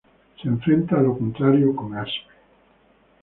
Se enfrenta a lo contrario con Aspe.